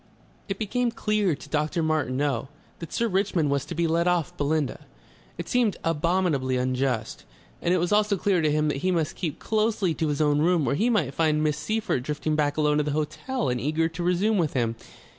It became clear to Dr. Martineau that Sir Richmond was to be let off Belinda. It seemed abominably unjust. And it was also clear to him that he must keep closely to his own room or he might find Miss Seyffert drifting back alone to the hotel and eager to resume with him....